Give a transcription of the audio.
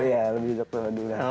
iya lebih cocok sama dula